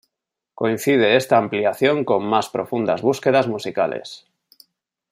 Coincide esta ampliación con más profundas búsquedas musicales.